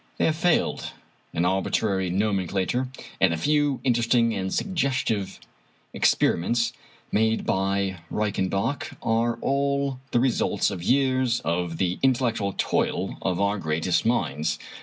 They have failed. An arbitrary nomenclature, and a few interesting and sug gestive experiments made by Reichenbach, are all the re sults of years of the intellectual toil of our greatest minds.